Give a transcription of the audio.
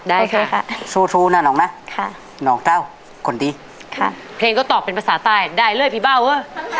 ได้ค่ะสู้สู้นะน้องนะค่ะน้องเต้าคนดีค่ะเพลงก็ตอบเป็นภาษาใต้ได้เลยพี่เบาเว้ย